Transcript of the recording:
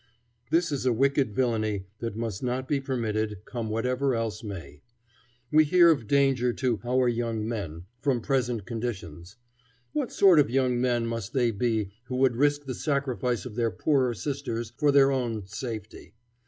"This is a wicked villany that must not be permitted, come whatever else may. We hear of danger to 'our young men,' from present conditions. What sort of young men must they be who would risk the sacrifice of their poorer sisters for their own 'safety'?